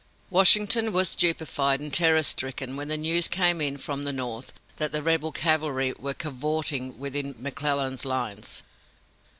Washington was stupefied and terror stricken when the news came in from the North that rebel cavalry were "cavortin" within McClellan's lines.